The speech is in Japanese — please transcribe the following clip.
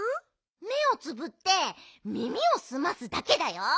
めをつぶってみみをすますだけだよ。